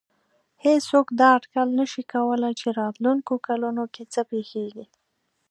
هېڅوک دا اټکل نه شي کولای چې راتلونکو کلونو کې څه پېښېږي.